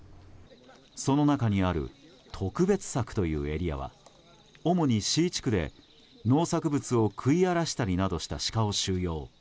その中にある特別柵というエリアは主にＣ地区で農作物を食い荒らしたりなどしたシカを収容。